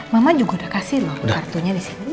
mama juga udah kasih loh kartunya disini